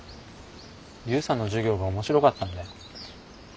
悠さんの授業が面白かったんだよ。